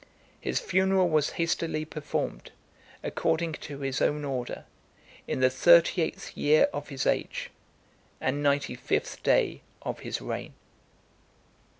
His funeral was hastily performed, according to his own order, in the thirty eighth year of his age, and ninety fifth day of his reign.